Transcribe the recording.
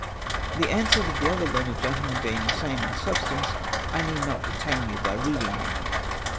The answers of the other learned gentlemen being the same in substance, I need not detain you by reading them.